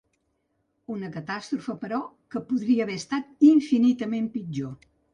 Una catàstrofe, però, que podria haver estat infinitament pitjor.